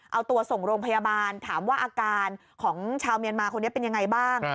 เอาตัวส่งโรงพยาบาลถามว่าอาการของชาวเมียนมาคนนี้เป็นยังไงบ้าง